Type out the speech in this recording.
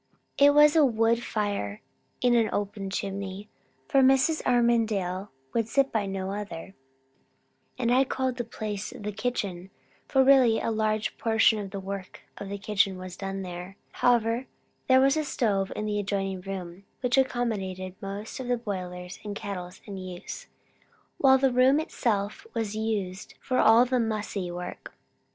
It was a wood fire, in an open chimney, for Mrs. Armadale would sit by no other; and I call the place the kitchen, for really a large portion of the work of the kitchen was done there; however, there was a stove in an adjoining room, which accommodated most of the boilers and kettles in use, while the room itself was used for all the "mussy" work.